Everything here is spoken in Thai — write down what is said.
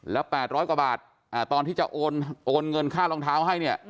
แล้ว๘๐๐กว่าบาทตอนที่จะโอนเงินค่ารองเท้าให้เนี่ย